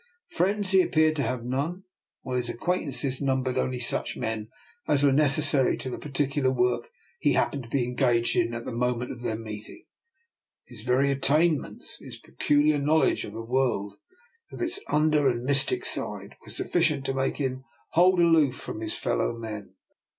Friends he appeared to have none, while his acquaintances numbered only such men as were necessary to the par ticular work he happened to be engaged in at the moment of their meeting. His very attainments, his peculiar knowledge of the world, of its under and mystic side, were suffi cient to make him hold aloof from his fellow men.